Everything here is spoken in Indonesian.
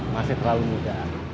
masih terlalu muda